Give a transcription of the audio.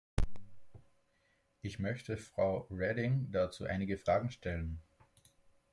Ich möchte Frau Reding dazu einige Fragen stellen.